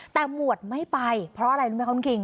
แต่หมวดไม่ไปเพราะอะไรรู้ไหมคะคุณคิง